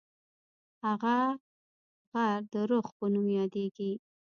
هغه غر د رُخ په نوم یادیږي.